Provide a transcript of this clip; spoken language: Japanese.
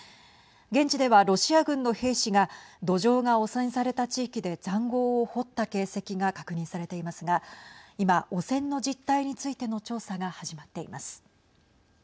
現地ではロシア軍の兵士が土壌が汚染された地域でざんごうを掘った形跡が確認されていますが今、汚染の実態についての調査が始まっています。